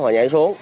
họ nhảy xuống